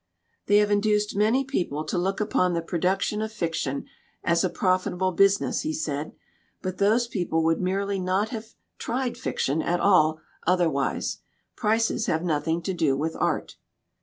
"They have induced many people to look upon the production of fiction as a profitable business," he said. "But those people would merely not have * tried fiction' at all otherwise. Prices have nothing to do with art."